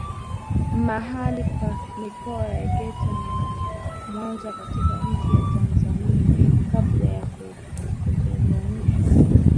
Mahali pa Mikoa ya Geita na Mwanza katika nchi ya Tanzania kabla ya kutenganishwa